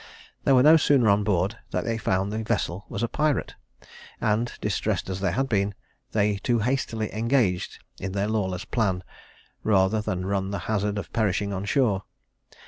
They were no sooner on board than they found the vessel was a pirate; and, distressed as they had been, they too hastily engaged in their lawless plan, rather than run the hazard of perishing on shore.